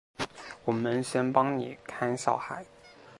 我们先帮妳看小孩